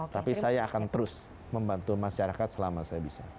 tapi saya akan terus membantu masyarakat selama saya bisa